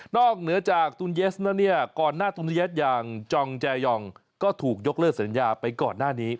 เหนือจากตุลเยสแล้วเนี่ยก่อนหน้าตุลยัตอย่างจองแจยองก็ถูกยกเลิกสัญญาไปก่อนหน้านี้